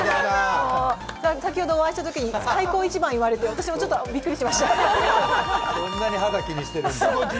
先ほど、お会いしたときに開口一番言われて、私もびっくりしました。